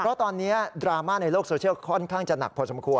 เพราะตอนนี้ดราม่าในโลกโซเชียลค่อนข้างจะหนักพอสมควร